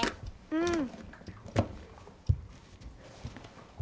うん。